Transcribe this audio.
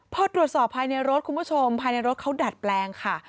พอตรวจสอบภายในรถคุณผู้ชมภายในรถเขาดัดแปลงค่ะ